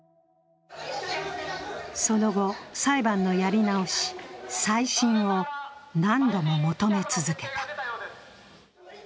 その後、裁判のやり直し、再審を何度も求め続けた。